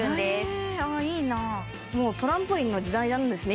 もうトランポリンの時代なんですね